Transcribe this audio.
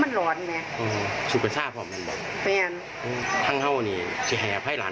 อืมแต่เธอเห็นเหมือนกันไปหรือเปล่า